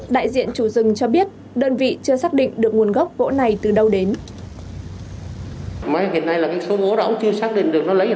đại diện chủ rừng cho biết đơn vị chưa xác định được nguồn gốc gỗ này từ đâu đến